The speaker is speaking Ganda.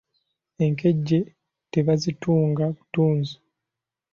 Enkejje tebazitunga butunzi.